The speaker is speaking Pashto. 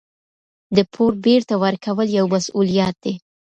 د پور بېرته ورکول یو مسوولیت دی.